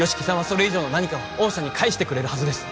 それ以上の何かを御社に返してくれるはずです